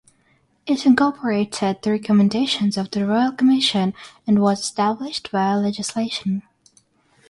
It incorporated the recommendations of the Royal Commission and was established via legislation.